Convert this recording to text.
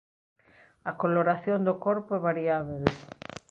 A coloración do corpo é variábel.